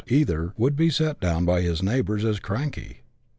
87 either would be set down by his neighbours as " cranky."